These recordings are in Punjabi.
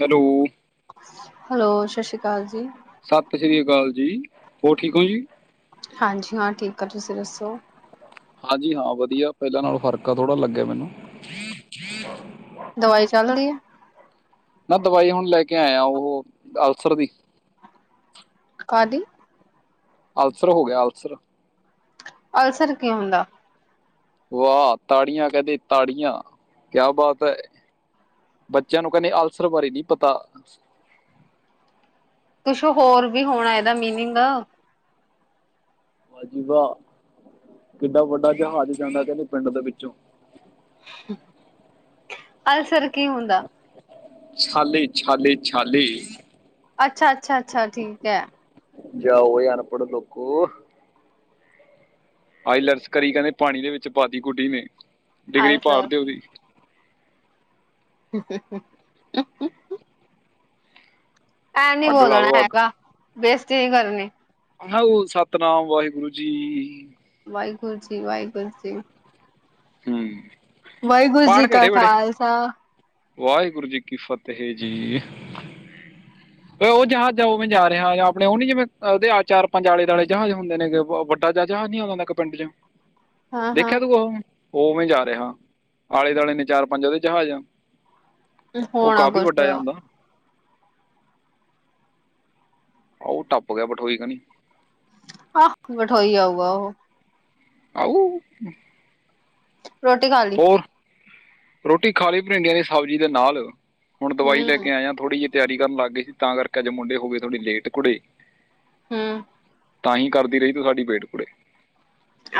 ਹੈਲੋ, ਹੈਲੋ ਸਤਿ ਸ਼੍ਰੀ ਅਕਾਲ ਜੀ, ਸਤਿ ਸ੍ਰੀ ਅਕਾਲ ਜੀ ਹੋਰ ਠੀਕ ਹੋ ਜੀ। ਹਾਂਜੀ ਹਾਂ, ਠੀਕ ਆ ਤੁਸੀਂ ਦੱਸੋ? ਹਾਂਜੀ ਹਾਂ ਵਧੀਆ ਪਹਿਲਾਂ ਨਾਲ ਫਰਕ ਆ ਥੋੜਾ ਲੱਗਿਆ ਮੈਨੂੰ ਦਵਾਈ ਚੱਲਦੀ ਐ। ਨਾ ਦਵਾਈ ਹੁਣ ਲੈ ਕੇ ਆਇਆ, ਉਹ ਅਲਸਰ ਦੀ। ਕਾਦੀ ਅਲਸਰ ਹੋ ਗਿਆ ਅਲਸਰ। ਅਲਸਰ ਕੀ ਹੁੰਦਾ। ਵਾਹ ਤਾੜੀਆਂ ਕਹਿੰਦੇ ਤਾੜੀਆਂ ਕਿਆ ਬਾਤ ਐ। ਬੱਚਿਆਂ ਨੂੰ ਕਹਿੰਦੇ ਅਲਸਰ ਬਾਰੇ ਨੀ ਪਤਾ। ਕੁਛ ਹੋਰ ਵੀ ਹੋਣਾ ਇਹਦਾ ਮੀਨਿੰਗ। ਭਾਜੀ ਵਾਹ ਕਿੱਡਾ ਵੱਡਾ ਜਹਾਜ਼ ਜਾਂਦਾ ਕਹਿੰਦੇ ਪਿੰਡ ਦੇ ਵਿੱਚੋਂ ਅਲਸਰ ਕੀ ਹੁੰਦਾ। ਛਾਲੈ ਛਾਲੈ ਛਾਲੈ। ਅੱਛਾ ਅੱਛਾ ਅੱਛਾ ਠੀਕ ਐ। ਜਾਓ ਅਨਪੜ ਲੋਕੋ। ਆਈ ਲੇਟਸ ਕਰੀ ਕਹਿੰਦੇ ਪਾਣੀ ਦੇ ਵਿੱਚ ਪਾਤੀ ਗੁੱਡੀ ਨੇ ਡਿਗਰੀ ਅਲਸਰ ਪਾੜਦੇ ਉਹਦੀ [inaudible] ਐਂ ਨੀ ਅੱਗ ਲਾ ਬੋਲਣਾ ਦੋ ਅੱਗ ਹੈਗਾ, ਬੇਸਤੀ ਨੀ ਕਰਨੀ। ਹੈਊ ਸਤਿਨਾਮ ਵਾਹਿਗੁਰੂ ਜੀ। ਵਾਹਿਗੁਰੂ ਜੀ ਵਾਹਿਗੁਰੂ ਜੀ। ਹੂੰ ਵਾਹਿਗੁਰੂ ਪਾਠ ਜੀ ਕਾ ਕਿਹੜੇ ਵੇਲੇ। ਖਾਲਸਾ ਵਾਹਿਗੁਰੂ ਜੀ ਕੀ ਫ਼ਤਿਹ ਜੀ। [inaudible] ਉਹ ਜਹਾਜ਼ ਆ ਉਵੇਂ ਜਾ ਰਿਹਾ ਆਪਣੇ ਉਹ ਨੀ ਜਿਵੇਂ ਉਹ ਚਾਰ ਪੰਜ ਆਲੇ ਦਆਲੇ ਜਹਾਜ਼ ਹੁੰਦੇ ਨੇ ਵੱਡੇ। ਜਹਾਜ਼ ਨੀ ਆਉਂਦਾ ਹੁੰਦਾ ਇੱਕ ਪਿੰਡ ਚ। [inaudible] ਹਾਂ ਦੇਖਿਆ ਤੂੰ ਉਹ ਉਵੇਂ ਜਾ ਰਿਹਾ ਆਲੇ ਦੁਆਲੇ ਨੇ ਚਾਰ ਪੰਜ ਉਹਦੇ ਜਹਾਜ਼ ਆ। ਉਹ ਹੋਣਾ ਕਾਫ਼ੀ ਕੁਛ ਵੱਡਾ ਜਾ ਹੁੰਦਾ ਆਹ ਨਾ। ਆ ਉਹ ਟੱਪ ਗਿਆ ਬਠੋਈ ਕਣੀ। ਆਹੋ ਬਠੋਈ ਆਊਗਾ ਉਹ। [inaudible] ਰੋਟੀ ਖਾ, ਲਈ ਹੋਰ ਰੋਟੀ ਖਾਲੀ ਭਿੰਡੀਆਂ ਦੀ ਸਬਜ਼ੀ ਦੇ ਨਾਲ ਹੁਣ ਦਵਾਈ ਲੈ ਹਮ ਕੇ ਆਇਆ ਥੋੜ੍ਹੀ ਜੀ, ਤਿਆਰੀ ਕਰਨ ਲੱਗ ਗਏ, ਤਾਂ ਕਰਕੇ ਅੱਜ ਮੁੰਡੇ ਹੋ ਗਏ ਥੋੜੀ ਲੇਟ ਕੁੜੇ। ਹੂੰ, ਤਾਂਹੀ ਕਰਦੀ ਰਹੀ ਤੂੰ ਸਾਡੀ ਵੇਟ ਕੁੜੇ।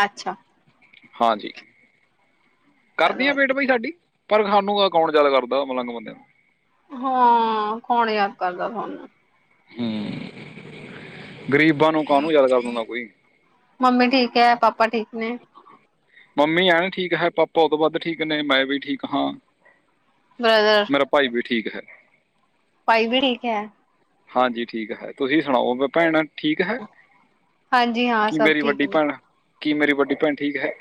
ਅੱਛਾ, ਹਾਂਜੀ, ਕਰਦੀ ਚਲੋ ਆ ਵੇਟ ਵਧੀਆ ਬਾਈ ਸਾਡੀ? ਪਰ ਸਾਨੂੰ ਤਾਂ ਕੌਣ ਯਾਦ ਕਰਦਾ ਮਲੰਗ ਬੰਦਿਆਂ ਨੂੰ। ਹਾਂ ਕੌਣ ਯਾਦ ਕਰਦਾ ਸਾਨੂੰ। ਹੂੰ ਗ਼ਰੀਬਾਂ ਨੂੰ ਕਾਹਨੂੰ ਯਾਦ ਕਰਦਾ ਹੰਦਾ ਕੋਈ। ਮੰਮੀ ਠੀਕ ਐ ਪਾਪਾ ਠੀਕ ਨੇ। ਮੰਮੀ ਐਂ ਠੀਕ ਹੈ ਪਾਪਾ ਉਹ ਤੋਂ ਵੱਧ ਠੀਕ ਨੇ ਮੈਂ ਵੀ ਠੀਕ ਹਾਂ। ਬ੍ਰਦਰਰ ਮੇਰਾ ਭਾਈ ਵੀ ਠੀਕ ਹੈ। ਭਾਈ ਵੀ ਠੀਕ ਹੈ। ਹਾਂਜੀ ਠੀਕ ਹੈ, ਤੁਸੀਂ ਸੁਣਾਓ ਭੈਣ ਠੀਕ ਹੈ? ਹਾਂਜੀ ਹਾਂ ਕੀ ਸਭ ਮੇਰੀ ਠੀਕ ਵੱਡੀ ਨੇ। ਭੈਣ ਕੀ ਮੇਰੀ ਵੱਡੀ ਭੈਣ ਠੀਕ ਹੈ?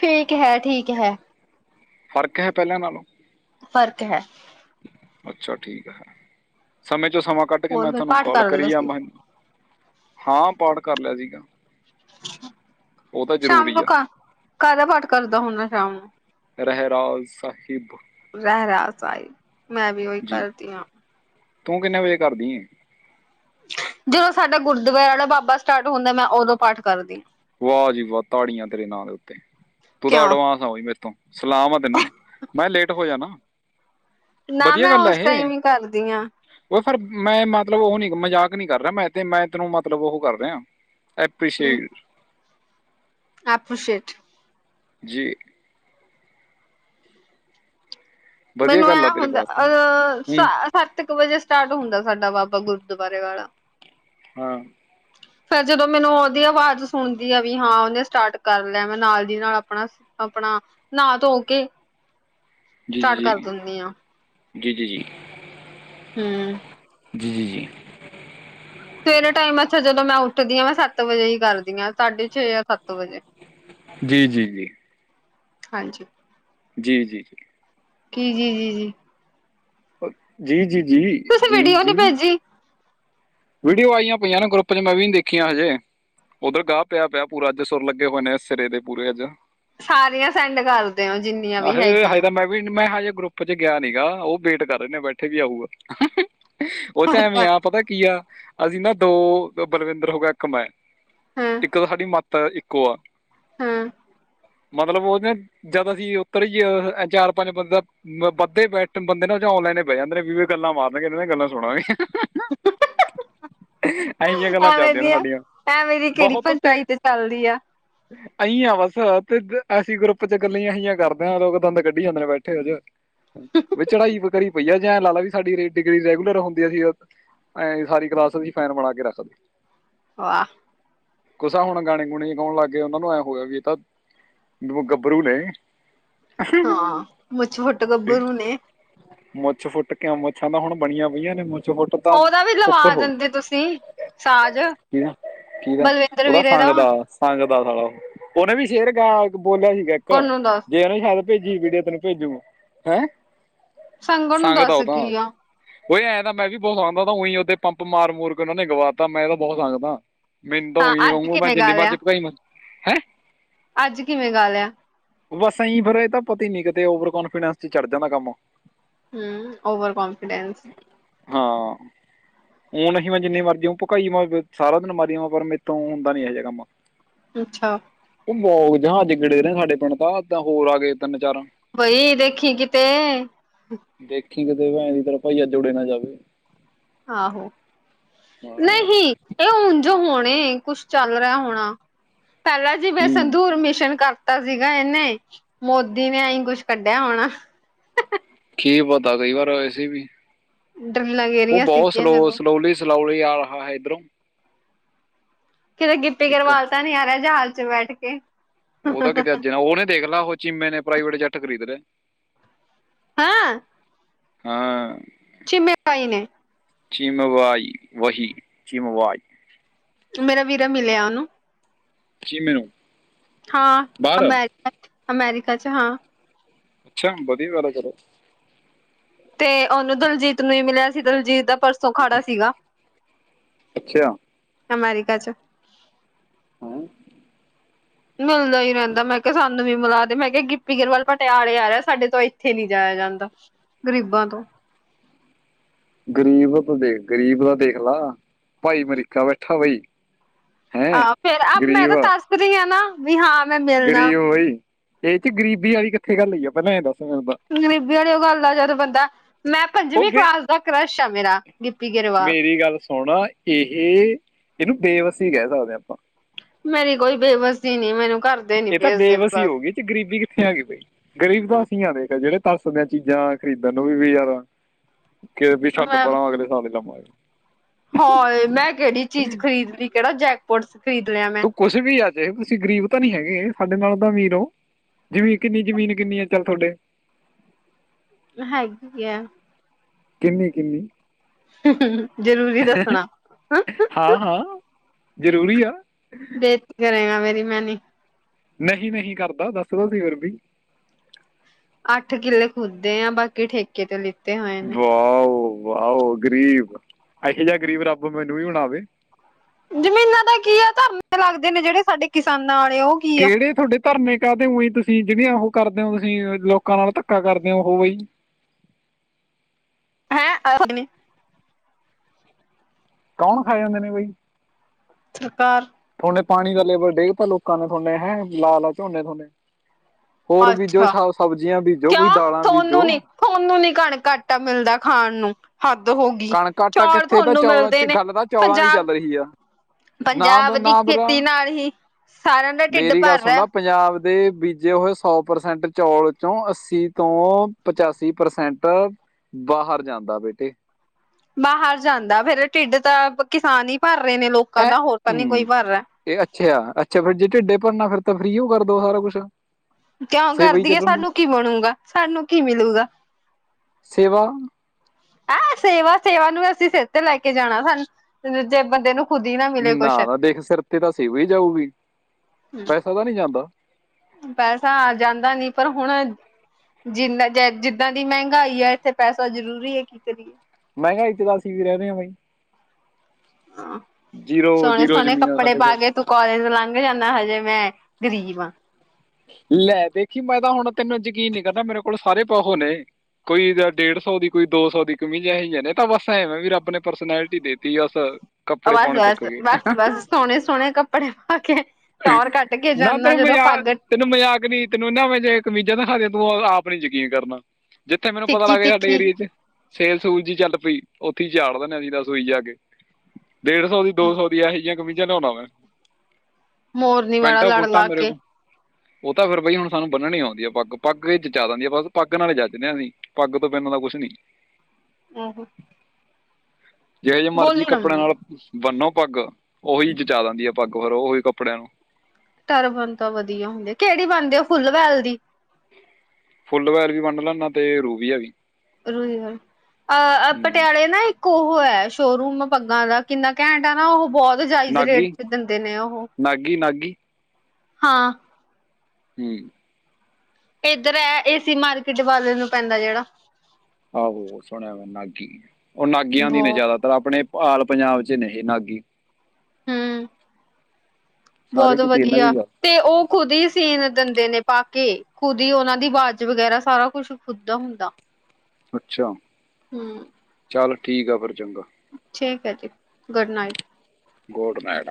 ਫੇਕ ਹੈ, ਠੀਕ ਹੈ। ਫ਼ਰਕ ਹੈ ਪਹਿਲਾਂ ਨਾਲੋਂ? ਫ਼ਰਕ ਹੈ। ਅੱਛਾ ਠੀਕ ਹੈ, ਸਮੇ ਚੋਂ ਸਮਾਂ ਕੱਢ ਕੇ ਹੋਰ ਮੈਂ ਫਿਰ ਤੁਹਾਨੂੰ ਪਾਠ ਕੋਲ ਕਰ ਲੈਂਦਾ ਕਰੀ ਆ, ਸੀ। ਮੈਂ ਹਾਂ ਪਾਠ ਕਰ ਲਿਆ ਸੀਗਾ। ਉਹ ਤਾਂ ਸ਼ਾਮ ਜ਼ਰੂਰੀ ਨੂੰ ਆ ਕ ਕਾਹਿਦਾ ਪਾਠ ਕਰਦਾ ਹੁੰਦਾ ਸ਼ਾਮ ਨੂੰ? ਰਹਿਰਾਸ ਸਾਹਿਬ, ਰਹਿਰਾਸ ਸਾਹਿਬ, ਮੈਂ ਵੀ ਉਹੀ ਜੀ ਕਰਦੀ ਹਾਂ। ਤੂੰ ਕਿੰਨੇ ਵਜੇ ਕਰਦੀ ਏ? ਜਦੋਂ ਸਾਡਾ ਗੁਰਦੁਆਰੇ ਵਾਲਾ ਬਾਬਾ ਸਟਾਰਟ ਹੁੰਦਾ, ਮੈਂ ਓਦੋਂ ਪਾਠ ਕਰਦੀ। ਵਾਹ ਜੀ ਵਾਹ ਤਾੜੀਆਂ ਤੇਰੇ ਨਾਂ ਦੇ ਉੱਤੇ ਤੂੰ ਤਾਂ ਕਿਉਂ ਏਡਵਾਂਸ ਨਾ ਕੋਈ ਮੇ ਤੋਂ, ਸਲਾਮ ਆ ਤੈਨੂੰ, ਮੈਂ ਕਿਹਾ ਲੇਟ ਹੋ ਜਾ ਨਾ। ਨਾ ਮੈਂ ਉਸ ਟਾਈਮ ਈ ਕਰਦੀ ਆਂ। ਉਹ ਫਿਰ ਮੈਂ ਮਤਲਬ, ਉਹ ਨੀ ਮਜ਼ਾਕ ਨੀ ਕਰ ਰਿਹਾ, ਮੈਂ ਤੇ ਮੈਂ ਤੈਨੂੰ ਮਤਲਬ ਉਹ ਕਰ ਰਿਹਾ। ਏਪਰੀਸੀ਼ਏਟ ਆਪੁਸੇਟ। ਜੀ। ਵਧੀਆ ਮੈਨੂੰ ਗੱਲ ਐ ਆ ਤੇਰੇ ਹੁੰਦਾ ਵਾਸਤੇ ਅ ਹੂੰ ਸੱਤ ਕੁ ਵਜੇ ਸਟਾਰਟ ਹੁੰਦਾ ਸਾਡਾ ਬਾਬਾ ਗੁਰਦੁਆਰੇ ਵਾਲਾ। ਹਾਂ। [unintelligible] ਫੇਰ ਜਦੋਂ ਮੈਨੂੰ ਉਹਦੀ ਆਵਾਜ਼ ਸੁਣਦੀ ਆ ਵੀ ਹਾਂ, ਉਹਨੇ ਸਟਾਰਟ ਕਰ ਲਿਆ, ਮੈਂ ਨਾਲ ਦੀ ਨਾਲ ਆਪਣਾ ਅਪਣਾ ਨਹਾ ਧੋ ਕੇ ਸਟਾਰਟ ਕਰ ਦਿੰਦੀ ਆ ਜੀ-ਜੀ-ਜੀ-ਜੀ-ਜੀ-ਜੀ। ਹੂੰ। ਜੀ-ਜੀ-ਜੀ। ਸਵੇਰੇ ਟਾਈਮ ਅੱਛਾ ਜਦੋਂ ਮੈਂ ਉੱਠਦੀ ਹਾਂ, ਮੈਂ ਸੱਤ ਵਜੇ ਹੀ ਕਰਦੀ ਹਾਂ। ਸਾਢੇ ਛੇ ਜਾਂ ਸੱਤ ਵਜੇ, ਜੀ ਜੀ ਜੀ ਜੀ ਹਾਂਜੀ। ਜੀ-ਜੀ-ਜੀ। ਕੀ? ਜੀ-ਜੀ-ਜੀ। ਤੁਸੀਂ ਵੀਡੀਓ ਨੀ ਜੀ-ਜੀ-ਜੀ-ਜੀ-ਜੀ। ਭੇਜੀ ਵੀਡੀਓ ਆਈਆਂ, ਪਈਆਂ ਨੇ ਗਰੁੱਪ ਚ ਮੈਂ ਵੀ ਦੇਖੀਆਂ ਹਜੇ। ਉੱਧਰ ਗਾਹ ਪਿਆ ਪਿਆ, ਪੂਰਾ ਏਥੇ ਸੁਰ ਲੱਗੇ ਹੋਏ ਨੇ ਸਿਰੇ ਦੇ ਪੂਰੇ ਅੱਜ। ਸਾਰੀਆਂ ਸੈਂਡ ਕਰਦੇ ਹੋ ਜਿੰਨੀਆਂ ਵੀ ਆਹੇ ਹਜੇ ਹੈਗੀਆਂ। ਤਾਂ ਮੈਂ ਮੈਂ ਹਜੇ ਗਰੁੱਪ ਚ ਗਿਆ ਨੀ ਗਾ, ਉਹ ਵੇਟ ਕਰ ਰਹੇ ਨੇ ਬੈਠੇ ਵੀ ਆਊਗਾ। ਉਹ ਚ ਐਵੇਂ ਅੱਛਾ ਆ ਪਤਾ ਕੀ ਆ, ਅਸੀਂ ਨਾ ਦੋ ਬਲਵਿੰਦਰ ਹੋ ਗਿਆ ਇੱਕ ਮੈਂ। ਹਾਂ ਇੱਕ ਤਾਂ ਸਾਡੀ ਮਾਤਾ ਇੱਕੋ ਆ। ਹਾਂ ਮਤਲਬ ਉਹਦੇ ਜਿਦਾ ਅਸੀਂ ਉੱਤਰ ਹੀ ਚਾਰ ਪੰਜ ਬੰਦਾ ਬੰਦੇ ਬੈਠਣ ਬੰਦੇ ਨਾ ਉਹ ਜੋ ਔਨਲਾਈਨ ਬੈ ਜਾਂਦੇ ਨੇ, ਏਵੀ ਗੱਲਾਂ ਮਾਰਨਗੇ ਇਹਨਾਂ ਦੀ ਗੱਲਾਂ ਸੁਣਾਂਗੇ। ਐਹੀਆਂ [unintelligible] ਗੱਲਾਂ ਐਵੇਂ ਚੱਲਦੀਆਂ ਨੇ ਦੀਆਂ, ਸਾਡੀਆਂ ਐਵੇਂ ਦੀ ਕਿਹੜੀ ਪੰਚਾਈ ਤੇ ਚੱਲਦੀ ਆ। ਅਹੀ ਆ ਬਸ ਤੇ ਅਸੀਂ ਗਰੁੱਪ ਚ ਗੱਲ ਅਹੀਆਂ ਕਰਦੇ ਹਾਂ, ਲੋਕ ਦੰਦ ਕੱਢੀ ਜਾਂਦੇ, ਨੇ ਬੈਠੇ ਉਹ ਜ [inaudible] ਵੀ ਝੜਾਈ ਵ ਕਰੀ ਵਈਆ ਜੇ ਲਾਲ ਲਾ ਵੀ ਸਾਡੀ ਡਿਗਰੀ ਰੈਗੂਲਰ ਹੁੰਦੀ ਆ ਸੀ, ਸਾਰੀ [inaudible] ਕਰਾਸ ਦੀ ਫੈਨ ਬਣਾ ਕੇ ਰੱਖਦੇ। ਵਾਹ ਕੁਛ ਹੁਣ ਗਾਣੇ-ਗੁਣੇ ਗਾਉਣ ਲੱਗ ਗਏ। ਉਹਨਾਂ ਨੂੰ ਐਂ ਹੋਗਿਆ ਵੀ ਇਹ ਤਾਂ ਨੋ ਗੱਬਰੂ ਨੇ ਹਾਂ, ਮੁਛ ਫੁੱਟ ਗੱਭਰੂ ਨੇ। ਮੁੱਛ ਫੁੱਟ ਕਿਉਂ ਮੁੱਛਾਂ ਤਾਂ ਹੁਣ ਬਣੀਆਂ ਪਈਆਂ ਨੇ ਮੁੱਛ ਫੁੱਟ ਤਾਂ ਉਹਦਾ ਵੀ [unintelligible] ਲਵਾ ਦਿੰਦੇ ਤੁਸੀਂ ਸਾਜ ਕੀ ਦਾ ਕੀ ਦਾ ਬਲਵਿੰਦਰ ਓਹ ਤਾਂ ਵੀਰੇ ਸੰਗ ਦਾ। ਸੰਗ ਦਾ ਸਾਲਾ ਓਹ ਉਹਨੇ ਵੀ ਸ਼ੇਰ ਗਇਆ ਬੋਲਿਆ ਸੀਗਾ ਇੱਕ ਗੁਣ ਨੂੰ ਦੱਸ ਜੇ ਉਹਨੇ ਸ਼ਾਇਦ [unintelligible] ਭੇਜੀ ਵੀਡੀਓ ਤੈਨੂੰ ਭੇਜੂ, ਮੈਂ ਸੰਗਣ ਨੂੰ ਸੰਗਦਾ ਦੱਸ ਉਹ ਤਾਂ। ਕੀ ਆ ਉ ਐਂ ਤਾਂ ਮੈਂ ਵੀ ਬਹੁਤ ਉਹੀ ਓਦੇ ਪੰਪ ਮਾਰ ਮੂਰ ਕੇ ਉਹਨਾ ਨੇ ਗਵਾਤਾ ਮੈਂ ਤਾਂ ਬਹੁਤ ਸੰਗ ਦਾ। ਮੈਨੂੰ ਤਾਂ ਹਾਂ ਊਈ ਅੱਜ ਮੈਂ ਕਿਵੇਂ ਜਿੰਨੀ ਗਾ ਲਿਆ ਮਰਜ਼ੀ ਪਕਾਈ ਮਾਰਾ ਹੈ। ਅੱਜ ਕਿਵੇਂ ਗਾ ਲਿਆ? ਬਸ ਐਈ ਫੇਰ ਇਹ ਤਾਂ ਪਤਾ ਹੀ ਨੀ ਕਿਤੇ ਓਵਰ ਕਨਫੀਡੈਂਸ ਚੜ ਜਾਂਦਾ ਕੰਮ। ਹੂੰ ਔਵਰ ਕੌਨਫਿਡੈਨਸ ਹਾਂ। ਹੁਣ ਨਹੀਂ ਮੈਂ ਜਿੰਨੀ ਮਰਜੀ ਭਕਾਈ ਵਾ ਸਾਰਾ ਦਿਨ ਮਾਰੀ ਜਾਵਾ ਪਰ ਮੇਰੇ ਤੋਂ ਹੁੰਦਾ ਨੀ ਇਹ ਜਿਹਾ ਕੰਮ। ਅੱਛਾ। ਉਹ ਬਹੁਤ ਜਹਾਜ਼ ਗੇੜੇ ਦੇ ਰਹੇ ਸਾਡੇ ਪਿੰਡ ਤਾਂ ਹੋਰ ਆ ਗਏ ਤਿੰਨ ਚਾਰ ਬਈ ਦੇਖੀ ਕਿਤੇ ਦੇਖੀ ਕਿਤੇ ਭੈਣ ਚੋ ਤੇਰਾ ਭਾਈ ਅੱਜ ਉੜੇ ਨਾ ਜਾਵੇ। ਆਹੋ ਹਾਂ ਨਹੀਂ, ਇਹ ਉਂਜ ਹੋਣੇ ਕੁਛ ਚੱਲ ਰਿਹਾ ਹੋਣਾ। ਪਹਿਲਾਂ ਜਿਵੇਂ ਹੂੰ ਸੰਦੂਰ ਮਿਸ਼ਨ ਕਰ ਤਾ ਸੀਗਾ। ਇਹਨੇ ਮੋਦੀ ਨੇ ਐਈ ਕੁਛ ਕੱਢਿਆ ਹੋਣਾ। ਕੀ ਪਤਾ ਕਈ ਵਾਰ ਵੈਸੇ ਵੀ। [unintelligible] ਉਹ ਬਹੁਤ ਸਲੋ ਜਦੋਂ ਸਲੋਲੀ-ਸਲੋਲੀ ਆ ਰਿਹਾ ਹੈ ਇੱਧਰੋ ਕਿਤੇ ਗਿੱਪੀ ਇੱਕ ਗਰੇਵਾਲ ਤਾਂ ਨੀ ਆ ਰਿਹਾ ਜਹਾਜ਼ ਚ ਬੈਠ ਕੇ। ਉਹ ਤਾਂ ਕਿਤੇ ਅੱਜ ਨਾ ਉਹਨੇ ਦੇਖਲਾ ਉਹ ਚੀਮੇ ਨੇ ਪ੍ਰਾਈਵੇਟ ਜੱਟ ਖਰੀਦ ਲਿਆ। ਹੈ। ਹਾਂ। ਚੀਮੇ ਬਾਈ ਨੇ ਚੀਮੇ ਬਾਈ ਵਹੀਂ ਚੀਮੇ ਬਾਈ ਮੇਰਾ ਵੀਰਾ ਮਿਲਿਆ ਉਹਨੂੰ ਚੀਮੇ ਨੂੰ ਹਾਂ ਬਾਹਰ ਅਮੈਰ ਅਮੈਰਿਕਾ ਚ ਹਾਂ। ਅੱਛਾ ਵਧੀਆ ਗੱਲ ਆ ਫਿਰ। ਤੇ ਉਹਨੂੰ ਦਿਲਜੀਤ ਨੂੰ ਵੀ ਮਿਲਿਆ ਸੀ। ਦਲਜੀਤ ਦਾ ਪਰਸੋਂ ਅਖਾੜਾ ਸੀਗਾ। ਅੱਛਾ। ਅਮੈਰੀਕਾ ਚ। ਹੂੰ ਮਿਲਦਾ ਹੀ ਰਹਿੰਦਾ ਮੈਂ ਕਿਹਾ ਸਾਨੂੰ ਵੀ ਮਿਲਾ ਦੇ ਮੈਂ ਕਿਹਾ ਹੀ ਰਹਿੰਦਾ, ਮੈਂ ਕਿਹਾ ਸਾਨੂੰ ਵੀ ਮਿਲਾ ਦੇ ਮੈਂ ਕਿਹਾ ਗਿੱਪੀ ਗਰੇਵਾਲ ਪਟਿਆਲੇ ਆ ਰਿਹਾ ਸਾਡੇ ਤੋਂ ਇੱਥੇ ਨੀ ਜਾਇਆ ਜਾਂਦਾ। ਗ਼ਰੀਬਾਂ ਤੋਂ। ਗਰੀਬ ਤੂੰ ਦੇਖ ਲਾ ਗਰੀਬ ਦਾ ਦੇਖ ਲਾ, ਭਾਈ ਅਮਰੀਕਾ ਬੈਠਾ ਬਈ ਹੈ ਆਹੋ ਫੇਰ ਆ ਮੈਂ ਗਰੀਬ ਤਰਸ ਰਹੀ ਆ ਨਾ ਵੀ ਹਾਂ ਮੈਂ ਮਿਲਣਾ ਗਰੀਬ ਬਾਈ ਇਹਦੇ ਚ ਗਰੀਬੀ ਵਾਲੀ ਕਿੱਥੇ ਗੱਲ ਹੋਈ ਆ ਪਹਿਲਾਂ ਇਹ ਦੱਸ ਮੈਨੂੰ ਗਰੀਬੀ ਆਲੀ ਓ ਗੱਲ ਆ ਜਦ ਬੰਦਾ ਮੈਂ ਉਹ ਪੰਜਵੀਂ ਬੇ ਕਲਾਸ ਦਾ ਕ੍ਰਸ਼ ਆ ਮੇਰਾ ਗਿੱਪੀ ਗਰੇਵਾਲ। ਹੁਣ ਇਹ ਇਹਨੂੰ ਬੇਬਸੀ ਕਹ ਸਕਦੇ ਹਾਂ ਆਪਾਂ। ਮੇਰੀ ਕੋਈ ਬੇਬਸੀ ਨੀ ਮੈਨੂੰ ਘਰ ਇਹ ਤਾਂ ਬੇਬਸੀ ਹੋ ਗਈ ਏਦੇ ਚ ਗਰੀਬੀ ਕਿੱਥੇ ਆ ਗਈ ਬਈ। ਗ਼ਰੀਬ ਤਾਂ ਅਸੀਂ ਆ ਦੇਖ ਜਿਹੜੇ ਤਰਸਦੇ ਆ ਚੀਜ਼ਾਂ ਖਰੀਦਣ ਨੂੰ ਵੀ ਯਾਰ। ਕਿ ਵੀ ਛੱਡ ਮੈਂ ਪਰਾ ਅਗਲੇ ਸਾਲ ਲਵਾਂਗੇ। ਹਾਏ ਮੈਂ ਕਿਹੜੀ ਚੀਜ਼ ਖਰੀਦ ਲਈ ਕਿਹੜਾ ਜੈਕਪੋਟ ਖਰੀਦ ਲਿਆ। ਮੈਂ। ਕੁਛ ਵੀ ਆ ਚਾਹੇ, ਤੁਸੀਂ ਗ਼ਰੀਬ ਤਾਂ ਨੀ ਹੈਗੇ, ਸਾਡੇ ਨਾਲ ਤਾਂ ਅਮੀਰ ਹੋ। ਜਮੀਨ ਕਿੰਨੀ-ਜ਼ਮੀਨ ਕਿੰਨੀ ਹੈ, ਚੱਲ ਤੁਹਾਡੇ। ਹੈਗੀ ਏ ਕਿੰਨੀ-ਕਿੰਨੀ। ਜ਼ਰੂਰੀ ਦੱਸਣਾ। ਹਾਂ, ਹਾਂ, ਜ਼ਰੂਰੀ ਆ। ਬੇ ਕਰੇਂਗਾ, ਮੇਰੀ ਮੈਂ ਨੀ ਨਹੀਂ, ਨਹੀਂ ਕਰਦਾ ਦੱਸ ਤਾਂ ਸਹੀ ਫਿਰ ਵੀ। ਅੱਠ ਕਿੱਲੇ ਖੁਦੇ ਆ ਬਾਕੀ ਠੇਕੇ ਕਿਤੇ ਲਿੱਤੇ ਹੋਏ ਨੇ। ਵਾਹ-ਵਾਹਓ ਗਰੀਬ ਇਹੋ ਜਿਹਾ ਗ਼ਰੀਬ ਰੱਬ ਮੈਨੂੰ ਹੀ ਹਣ ਆਵੇ, ਜ਼ਮੀਨਾਂ ਦਾ ਕੀ ਆ ਧਰਨੇ ਲੱਗਦੇ, ਨੇ ਜਿਹੜੇ ਸਾਡੇ ਕਿਸਾਨਾਂ ਵਾਲੇ ਉਹ ਕੀ ਆ। ਕਿਹੜੇ ਤੁਹਾਡੇ ਧਰਨੇ ਕਾਹਦੇ ਉਈ ਬੀ ਤੁਸੀਂ ਜਿਹੜੀਆਂ, ਉਹ ਕਰਦੇ ਹੋ ਤੁਸੀਂ ਲੋਕਾਂ ਨਾਲ ਧੱਕਾ ਕਰਦੇ ਹੋ ਉਹ ਬਈ। ਹੋ। ਕੌਣ ਖਾ ਜਾਂਦੇ ਨੇ ਬਈ। ਸਰਕਾਰ ਥੋਨੇ ਪਾਣੀ ਦਾ ਲੇਵਲ ਡੇਗ ਤਾਂ, ਲੋਕਾਂ ਨੇ ਥੋਨੇ ਹੈਂ ਲਾ ਲਾ ਝੋਨੇ ਥੋਨੇ ਹੋਰ ਬੀਜੋ ਅੱਛਾ ਸਵ ਸਬਜ਼ੀਆਂ ਬੀਜੋ, ਕੋਈ ਕਿਉਂ ਦਾਲਾਂ ਬੀਜੋ। ਥੋਨੂੰ ਨੀ ਥੋਨੂੰ ਨੀ ਕਣਕ ਆਟਾ ਮਿਲਦਾ ਖਾਣ ਨੂੰ ਹੱਦ ਹੋ ਗਈ, ਕਣਕ ਆਟਾ ਚੋਲ ਕਿੱਥੇ ਤਾਂ ਤੁਹਾਨੂੰ ਚੌਲਾਂ ਮਿਲਦੇ ਚ ਨੇ ਗੱਲ ਤਾਂ ਚੌਲਾਂ ਦੀ ਪੰਜਾਬ ਚੱਲ ਰਹੀ ਆ ਨਾ ਬ ਪੰਜਾਬ ਦੀ ਨਾ ਬਰਾ ਖੇਤੀ ਨਾਲ ਹੀ ਸਾਰਿਆਂ ਦਾ ਢਿੱਡ ਮੇਰੀ ਗੱਲ ਭਰ ਸੁਣ ਰਿਆ। ਲਾ ਪੰਜਾਬ ਦੇ ਬੀਜੇ ਹੋਏ, ਸੌ ਪ੍ਰਸੈਂਟ ਚੌਲ ਚ ਅੱਸੀ ਤੋਂ ਪਚਾਸੀ ਪ੍ਰਸੈਂਟ ਬਾਹਰ ਜਾਂਦਾ ਬੇਟੇ। ਬਾਹਰ ਜਾਂਦਾ, ਫਿਰ ਢਿੱਡ ਤਾਂ ਕਿਸਾਨ ਹੀ ਭਰ ਰਹੇ ਨੇ ਲੋਕ। ਐ ਹੂੰ ਇਹ ਅੱਛਾ ਆ ਅੱਛਾ ਫਿਰ ਜੇ ਢਿੱਡੇ ਭਰਨਾ ਫਿਰ ਤਾਂ ਫਰੀ ਓ ਕਰਦੋ ਸਾਰਾ ਕੁਛ ਕਿਉਂ ਸੇਵਾ ਹੀ ਕਰਦੀ ਹੈ, ਚੱਲਣ ਦੋ ਸਾਨੂੰ ਕੀ ਬਣੂਗਾ ਸਾਨੂੰ ਕੀ ਮਿਲੂਗਾ। ਸੇਵਾ, ਹੈਂ ਸੇਵਾ ਸੇਵਾ ਨੂੰ ਵੀ ਅਸੀਂ ਸਿਰ ਤੇ ਲੈ ਕੇ ਜਾਣਾ, ਸਾਨੂੰ ਜੇ ਬੰਦੇ ਨੂੰ ਖੁਦ ਹੀ ਨਾ ਮਿਲੇ ਕੁਛ ਨਾ-ਨਾ, ਦੇਖ ਸਿਰ ਤੇ ਤਾਂ ਅਸੀਂ ਵੀ ਜਾਊਗੀ ਪੈਸਾ ਤਾਂ ਨਹੀਂ ਜਾਂਦਾ। ਪੈਸਾ ਆ ਜਾਂਦਾ ਨੀ ਪਰ ਹੁਣ ਜਿੰਨਾ ਜਿੱਦਾਂ ਦੀ ਮਹਿੰਗਾਈ ਹੈ, ਇੱਥੇ ਪੈਸਾ ਜ਼ਰੂਰੀ ਹੈ ਕੀ ਕਰੀਏ। ਮਹਿੰਗਾਈ ਚ ਤਾਂ ਅਸੀਂ ਵੀ ਰਹਿੰਦੇ ਹਾਂ ਬਾਈ, ਹਾਂ ਜੀਰੋ ਜੀਰੋ ਸੋਹਣੇ-ਸੋਹਣੇ ਜ਼ਮੀਨ ਆ ਕੱਪੜੇ ਸਾਡੇ ਪਾ ਕੋਲ ਕੇ ਤੂੰ, ਕਾਲਜ ਲੰਘ ਜਾਂਦਾ ਹਜੇ ਮੈਂ ਗ਼ਰੀਬ ਹਾਂ। ਲੈ ਦੇਖੀ ਮੈਂ ਤਾਂ ਹੁਣ ਤੈਨੂੰ ਯਕੀਨ ਨਹੀਂ ਕਰਨਾ, ਮੇਰੇ ਕੋਲ ਸਾਰੇ ਪਾਹੋ ਨੇ, ਕੋਈ ਜਾਂ ਡੇਢ ਸੌ ਦੀ, ਕੋਈ ਦੋ ਸੌ ਦੀ ਕਮੀਜ਼ਹੀਆਂ ਨੇ ਤਾਂ ਵਸ ਐਵੇਂ ਵੀ ਰਬ ਨੇ ਪਰਸਨੈਲਿਟੀ ਦੇਤੀ ਅਸ। ਬਸ-ਬਸ-ਬਸ-ਬਸ, ਸੋਹਣੇ ਸੋਹਣੇ ਕੱਪੜੇ ਪਾ ਕੇ। ਟੌਰ ਕੱਢ ਕੇ ਨਾ ਜਾਂਦਾ ਤੈਨੂੰ ਜਦੋਂ ਮਜ਼ਾਕ ਪੱਗ ਤੈਨੂੰ ਮਯਾਕ ਨੀ, ਤੈਨੂੰ ਨਾ ਮ ਜੇ ਕਮੀਜ਼ਾਂ ਨਾ ਹਲੇ ਬੌ ਅ ਆਪ ਨੀ ਯਕੀਨ ਕਰਨਾ। ਜਿੱਥੇ ਮੈਨੂੰ ਪਤਾ ਤਿੱਖੀ ਲੱਗ ਗਿਆ, ਸਾਡੇ ਤਿੱਖੀ ਏਰੀਏ ਚ ਸੇਲ ਸੂਲ ਜੀ ਚੱਲ ਪਈ, ਉੱਥੇ ਹੀ ਚਾੜ ਦੇਣੇ ਆ [unintelligible] ਜਾ ਕੇ। ਡੇਢ ਸੌ ਦੀ ਦੋ ਸੌ ਦੀ ਇਹੋ ਜਿਹੀਆਂ ਕਮੀਜਾਂ ਲਿਆਉਣਾ ਵੈਂ, ਮੋਰਨੀ ਵਾਲਾ ਲੜ ਲਾ ਮੇਰੇ ਕੇ ਕੋਲ ਉਹ ਤਾਂ ਫਿਰ ਬਾਈ ਹੁਣ ਸਾਨੂੰ ਬਨਣੀ ਆਉਂਦੀ, ਪੱ ਪੱਗ ਵਿੱਚ ਜਾ ਆ ਜਾਂਦੀ ਵੀ ਪੱਗ ਨਾਲ ਜਚਦੇ ਹਂ। ਪੱਗ ਤੋਂ ਪੈਨਣ ਦਾ ਕੁੱਛ ਨੀ। ਆਹੋ। ਜਿਹੇ ਜੇ ਮਰਜੀ ਨਾ ਕੱਪੜਿਆਂ ਮੰਮੀ ਨਾਲ ਬੰਨੋ ਪੱਗ ਉਹੀ ਜਚਾ ਦਿੰਦੀ ਹੈ, ਪੱਗ ਫਿਰ ਉਹੀ ਕੱਪੜਿਆਂ ਨੂੰ ਤਰ ਬਣ ਤਾਂ ਵਧੀਆ ਹੁੰਦੀ, ਕਿਹੜੀ ਬਣਦੀ ਉਹ ਫੁੱਲਵੈਲ ਦੀ, ਫੁੱਲ ਵੈਲ ਵੀ ਵੰਨ ਲੈਂਦਾ ਤੇ ਰੂਬੀਆ ਵੀ ਰੁਹੀਵ ਅਹ ਹੂੰ ਪਟਿਆਲੇ ਨਾ ਇੱਕ ਉਹ ਹੈ, ਸ਼ੋਰੂਮ ਪੱਗਾਂ ਦਾ ਕਿੰਨਾ ਘੈਂਟ ਨਾ ਉਹ ਬਹੁਤ ਜਾਇਜ਼ ਰੇਟ ਚ ਦਿੰਦੇ ਨੇ ਉਹ। ਨਾਗੀ-ਨਾਗੀ। ਹਾਂ, ਹੂੰ। ਇੱਧਰ ਹੈ ਏ ਸੀ ਮਾਰਕੀਟ ਵਾਲੇ ਨੂੰ ਪੈਂਦਾ ਜਿਹੜਾ, ਆਹੋ ਸੁਣਿਆ ਮੈਂ ਨਾਗੀ, ਉਹ ਨਾਗੀਆਂ ਦੀ ਨੇ ਬਹੁ ਜ਼ਿਆਦਾ ਮਤਲਬ ਆਪਣੇ ਆਲ ਪੰਜਾਬ ਚ ਨੇ ਨਾਗੀ ਹੂੰ ਸਾਰੇ ਬਹੁਤ ਕਿਤੇ ਇਹਨਾਂ ਵਧੀਆ, ਦੀ ਆ ਤੇ ਉਹ, ਖੁਦ ਹੀ ਸੀਨ ਦਿੰਦੇ ਨੇ, ਬਾਕੀ ਖੁਦ ਹੀ ਉਹਨਾਂ ਦੀ ਆਵਾਜ਼ ਵਗੈਰਾ, ਸਾਰਾ ਕੁਛ ਖੁਦ ਦਾ ਹੁੰਦਾ। ਅੱਛਾ, ਹਮ ਚੱਲ ਠੀਕ ਆ, ਫਿਰ ਚੰਗਾ। ਠੀਕ ਹੈ ਜੀ, ਗੁਡ ਨਾਈਟ, ਗੋਡ ਨਾਈਟ।